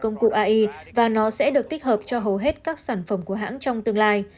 google đã tạo ra một công cụ ai đối với một công cụ ai và nó sẽ được tích hợp cho hầu hết các sản phẩm của hãng trong tương lai